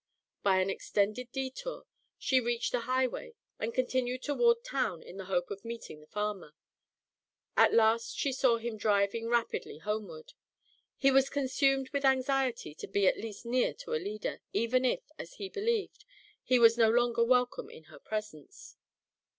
By an extended detour, she reached the highway and continued toward town in the hope of meeting the farmer. At last she saw him driving rapidly homeward. He was consumed with anxiety to be at least near to Alida, even if, as he believed, he was no longer welcome in her presence.